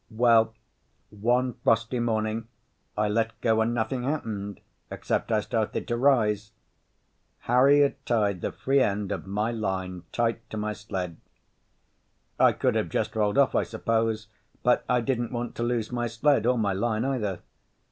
"Well, one frosty morning I let go and nothing happened, except I started to rise. Harry had tied the free end of my line tight to my sled. "I could have just rolled off, I suppose, but I didn't want to lose my sled or my line either.